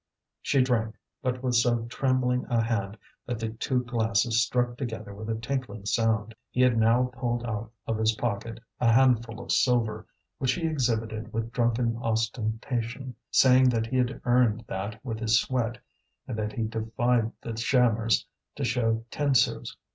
She drank, but with so trembling a hand that the two glasses struck together with a tinkling sound. He had now pulled out of his pocket a handful of silver, which he exhibited with drunken ostentation, saying that he had earned that with his sweat, and that he defied the shammers to show ten sous.